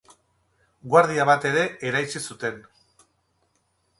Guardia bat ere eraitsi zuten.